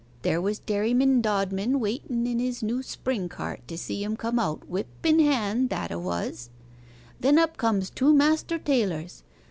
There was Dairyman Dodman waiten in his new spring cart to see 'em come out whip in hand that 'a was. Then up comes two master tailors.